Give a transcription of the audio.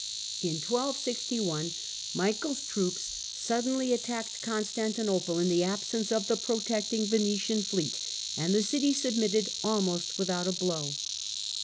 In 1261 iv.,Ducas, Michael's troops suddenly attacked Constantinople in the M^ haei absence of the protecting Venetian fleet, and the city sub VIII., mitted almost without a blow.